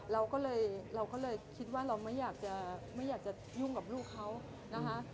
เราก็เลยคิดว่าเราไม่อยากจะยุ่งกับลูกเขานะฮะ